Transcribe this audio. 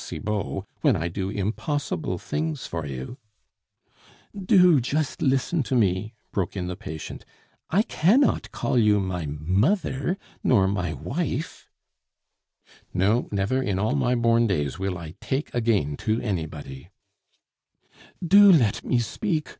Cibot' when I do impossible things for you " "Do just listen to me," broke in the patient; "I cannot call you my mother, nor my wife " "No, never in all my born days will I take again to anybody " "Do let me speak!"